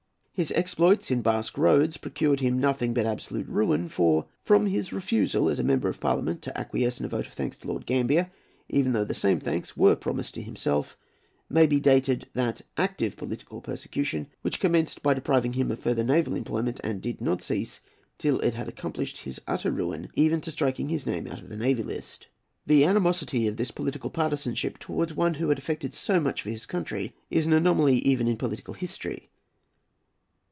His exploits in Basque Roads procured him nothing but absolute ruin; for, from his refusal as a Member of Parliament to acquiesce in a vote of thanks to Lord Gambier, even though the same thanks were promised to himself, may be dated that active political persecution which commenced by depriving him of further naval employment and did not cease till it had accomplished his utter ruin, even to striking his name out of the Navy List. The animosity of this political partisanship towards one who had effected so much for his country is an anomaly even in political history.